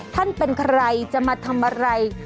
ท่านเป็นใครจะมาทำอะไร